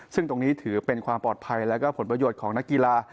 ซึ่งตรงนี้ถือเป็นความปลอดภัยและผลประโยชน์ของนักกีฬา